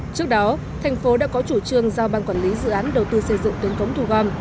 trước đó thành phố đã có chủ trương giao ban quản lý dự án đầu tư xây dựng tuyến cống thu gom